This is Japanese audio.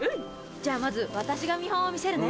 じゃあまず私が見本を見せるね。